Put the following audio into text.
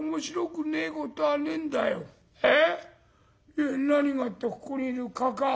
いや何がってここにいるかかあ。